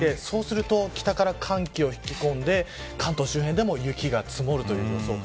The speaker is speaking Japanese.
そうすると北から寒気を引き込んで関東周辺でも雪が積もるということです。